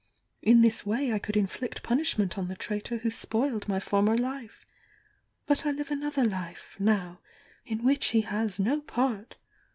In this way I could inflict punishment on the traitor who spoiled my former life — but I live another life, now, in which he has no part.